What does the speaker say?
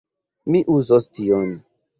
Mi uzos tion.